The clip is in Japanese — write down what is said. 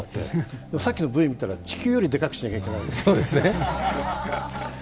さっきのＶみたら地球よりでかくしないといけないんですよね。